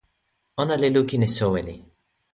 ona li lukin e soweli.